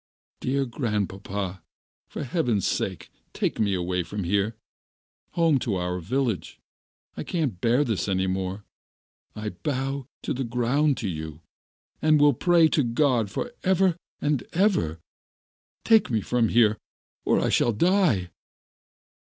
Dear Grandpapa, for Heaven's sake, take me away from here, home to our village, I can't bear this any more... I bow to the ground to you, and will pray to God for ever and ever, take me from here or I shall die..."